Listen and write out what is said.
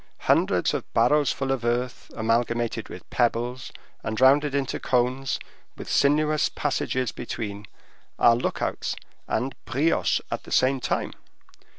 Hundreds of barrowsful of earth amalgamated with pebbles, and rounded into cones, with sinuous passages between, are look outs and brioches at the same time.